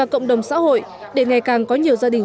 cộng đồng xã hội để ngày càng có nhiều gia đình